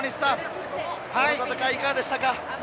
この戦い、いかがでしたか？